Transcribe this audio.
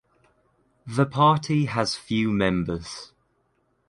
The party has few members.